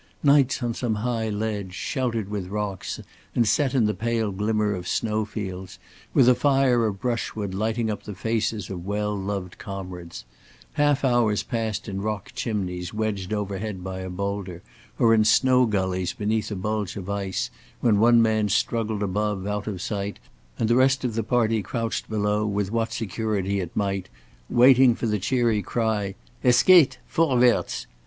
Nights on some high ledge, sheltered with rocks and set in the pale glimmer of snow fields, with a fire of brushwood lighting up the faces of well loved comrades; half hours passed in rock chimneys wedged overhead by a boulder, or in snow gullies beneath a bulge of ice, when one man struggled above, out of sight, and the rest of the party crouched below with what security it might waiting for the cheery cry, "Es geht. Vorwärts!"